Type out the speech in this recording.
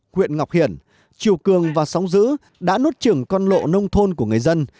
quyện ngọc hiển chiều cường và sóng dữ đã nốt trưởng con lộ nông thôn của người dân